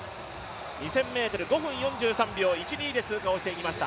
２０００ｍ、５分４３秒１２で通過していきました。